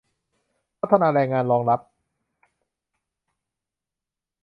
พัฒนาแรงงานรองรับ